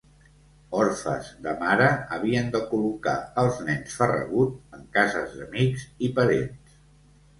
Orfes de mare, havien de col·locar els nens Farragut en cases d'amics i parents.